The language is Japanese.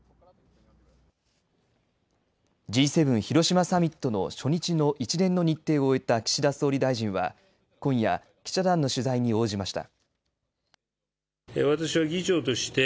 Ｇ７広島サミットの初日の一連の日程を終えた岸田総理大臣は今夜記者団の取材に応じました。